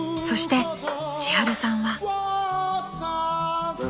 ［そして千春さんは］